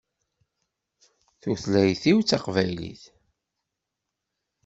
Tutlayt-iw d taqbaylit.